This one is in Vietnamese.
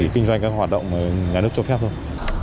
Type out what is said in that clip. kinh doanh các hoạt động nhà nước cho phép thôi